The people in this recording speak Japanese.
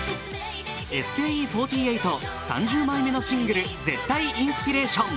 ＳＫＥ４８、３０枚目のシングル「絶対インスピレーション」。